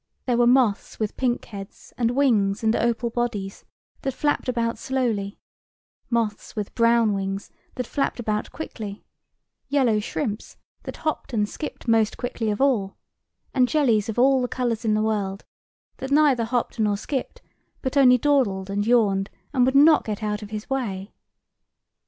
There were moths with pink heads and wings and opal bodies, that flapped about slowly; moths with brown wings that flapped about quickly; yellow shrimps that hopped and skipped most quickly of all; and jellies of all the colours in the world, that neither hopped nor skipped, but only dawdled and yawned, and would not get out of his way.